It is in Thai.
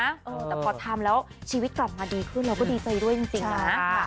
แต่พอทำแล้วชีวิตกลับมาดีขึ้นเราก็ดีใจด้วยจริงนะ